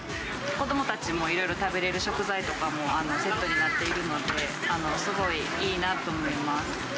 子どもたちもいろいろ食べれる食材とかもセットになっているので、すごいいいなと思います。